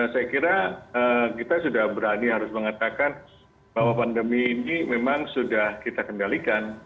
saya kira kita sudah berani harus mengatakan bahwa pandemi ini memang sudah kita kendalikan